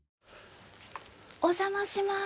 お邪魔します。